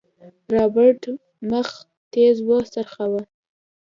رابرټ مخ تېز وڅرخوه.